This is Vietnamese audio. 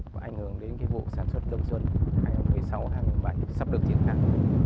và ảnh hưởng đến cái vụ sản xuất đồng xuân ngày hôm thứ sáu ngày hôm thứ bảy sắp được thiệt hại